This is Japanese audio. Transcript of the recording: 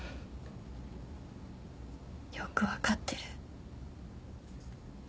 よく分かってる。